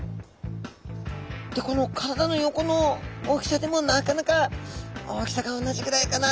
でこの体の横の大きさでもなかなか大きさが同じぐらいかな